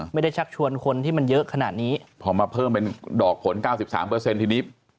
ชักชวนคนที่มันเยอะขนาดนี้พอมาเพิ่มเป็นดอกผลเก้าสิบสามเปอร์เซ็นต์ทีนี้